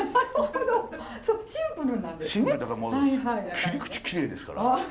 切り口きれいですから。